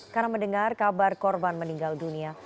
karena mendengar kabar korban meninggal dunia